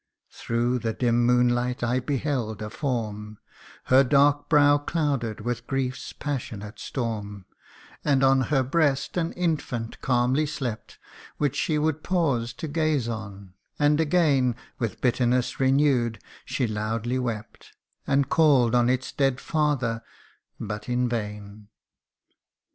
Through the dim moonlight I beheld a form Her dark brow clouded with griefs passionate storm, And on her breast an infant calmly slept Which she would pause to gaze on ; and again, With bitterness renew'd, she loudly wept, And call'd on its dead father but in vain